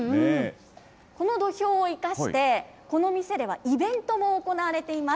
この土俵を生かして、この店ではイベントも行われています。